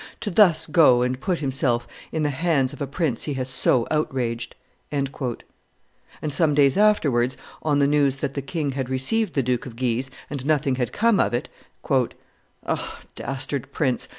To thus go and put himself in the hands of a prince he has so outraged!" And some days afterwards, on the news that the king had received the Duke of Guise and nothing had come of it, "Ah, dastard prince!